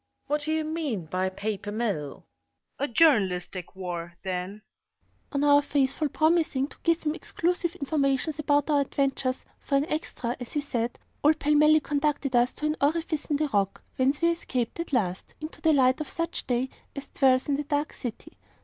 What do you mean by a Paper Mill? PUBLISHER. A Journalistic War, then. ED. On our faithfully promising to give him exclusive information about our adventures, 'for an Extra,' as he said, old Pellmelli conducted us to an orifice in the rock, whence we escaped, at last, into the light of such day as dwells in the Dark City.